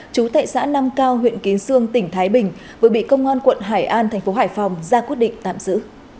trú tại xã nam cao huyện kiến xương tỉnh thái bình vừa bị công an quận hải an thành phố hải phòng ra quyết định tạm giữ